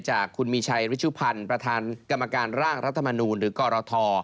จากคุณมีชัยริชุพันธ์ประธานกรรมการร่างรัฐมนูลหรือกรท